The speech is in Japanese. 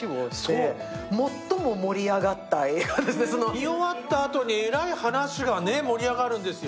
見終わったあとにえらい話が盛り上がるんですよ。